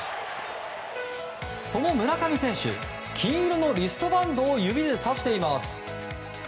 その村上選手、金色のリストバンドを指で指しています。